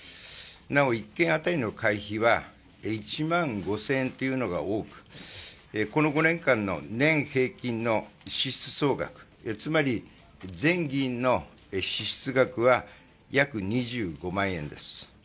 なお１件当たりの会費は１万５０００円というのが多くこの５年間の年平均の支出総額、つまり全議員の支出額は約２５万円です。